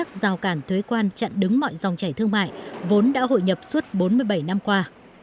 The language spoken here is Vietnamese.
các rào cản thuế quan chặn đứng mọi dòng chảy thương mại vốn đã hội nhập suốt bốn mươi bảy năm qua